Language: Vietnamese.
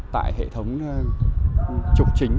tại hệ thống trục chính